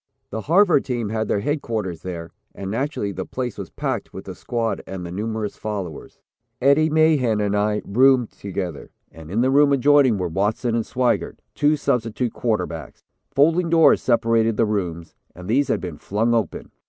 The Harvard team had their headquarters there, and naturally the place was packed with the squad and the numerous followers. Eddie Mahan and I roomed together, and in the room adjoining were Watson and Swigert, two substitute quarterbacks. Folding doors separated the rooms, and these had been flung open.